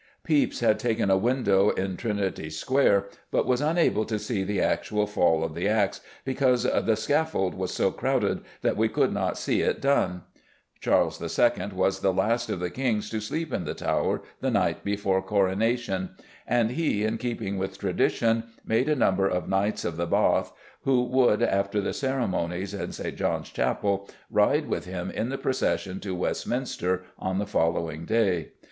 Pepys had taken a window in Trinity Square, but was unable to see the actual fall of the axe because "the scaffold was so crowded that we could not see it done." Charles II. was the last of the kings to sleep in the Tower the night before coronation, and he, in keeping with tradition, made a number of Knights of the Bath who would, after the ceremonies in St. John's Chapel, ride with him in the procession to Westminster on the following day.